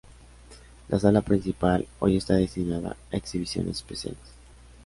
La sala principal hoy está destinada a exhibiciones especiales.